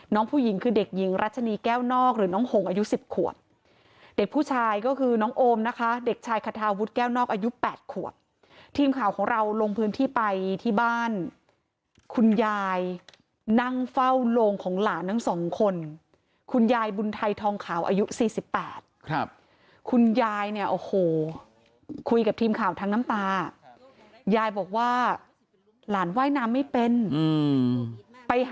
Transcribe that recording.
ผู้หญิงคือเด็กหญิงรัชนีแก้วนอกหรือน้องหงอายุสิบขวบเด็กผู้ชายก็คือน้องโอมนะคะเด็กชายคาทาวุฒิแก้วนอกอายุ๘ขวบทีมข่าวของเราลงพื้นที่ไปที่บ้านคุณยายนั่งเฝ้าโรงของหลานทั้งสองคนคุณยายบุญไทยทองขาวอายุ๔๘ครับคุณยายเนี่ยโอ้โหคุยกับทีมข่าวทั้งน้ำตายายบอกว่าหลานว่ายน้ำไม่เป็นไปหา